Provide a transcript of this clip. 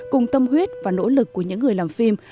cùng tâm huyết và nỗ lực của những người làm phim